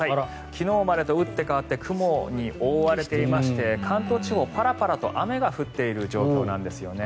昨日までと打って変わって雲に覆われていまして関東地方パラパラと雨が降っている状況なんですね。